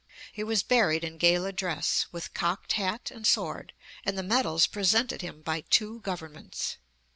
He was buried in gala dress, with cocked hat and sword, and the medals presented him by two governments.